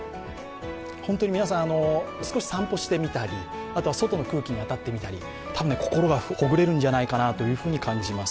本当に皆さん少し散歩してみたりあとは外の空気に当たってみたり、心がほぐれるんじゃないかなと感じます。